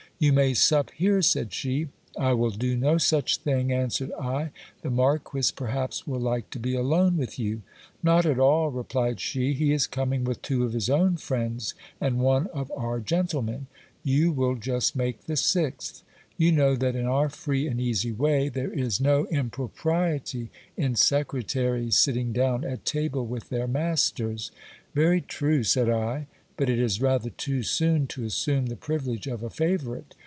You may sup here, said she. I will do no such thing, answered I ; the marquis perhaps will like to be alone with you. Not at all, re plied she ; he is coming with two of his own friends and one of our gentlemen ; you will just make the sixth. You know that in our free and easy way there pro wir I exc wh AN EXTRA ORDINAR Y COMPANION A T SUPPER. 25 1 is no impropriety in secretaries sitting down at table with their masters. Yery true, said I : but it is rather too soon to assume the privilege of a favourite.